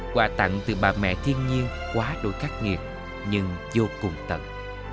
quả tặng từ bà mẹ thiên nhiên quá đối khắc nghiệt nhưng vô cùng tận